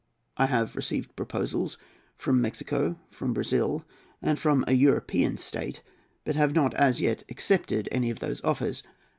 I have received proposals from Mexico, from Brazil, and from a European state, but have not as yet accepted any of these offers.